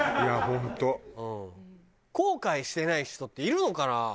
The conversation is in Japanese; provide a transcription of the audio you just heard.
後悔してない人っているのかな？